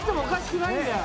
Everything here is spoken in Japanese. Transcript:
なんだよ！